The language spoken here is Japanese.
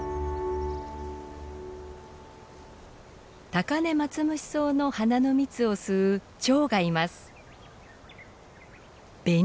タカネマツムシソウの花の蜜を吸うチョウがいます。